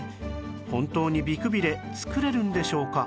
本当に美くびれ作れるんでしょうか？